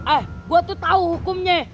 eh gua tuh tau hukumnya